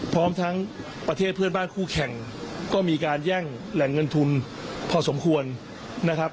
พร้อมทั้งประเทศเพื่อนบ้านคู่แข่งก็มีการแย่งแหล่งเงินทุนพอสมควรนะครับ